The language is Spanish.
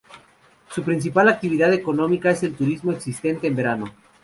Su principal actividad económica es el turismo existente en verano.